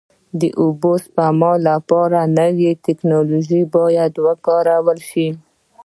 د اوبو د سپما لپاره نوې ټکنالوژي باید وکارول شي.